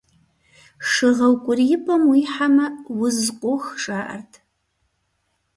Шы гъэукӏуриипӏэм уихьэмэ, уз къох, жаӏэрт.